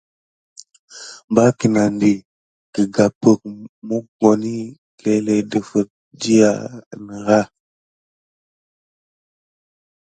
Mbar kənandi ? Ke gambit mokoni klele défete diya ne ras.